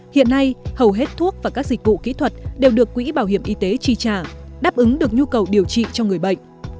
hiện nay hầu hết thuốc và các dịch vụ kỹ thuật đều được quỹ bảo hiểm y tế chi trả đáp ứng được nhu cầu điều trị cho người bệnh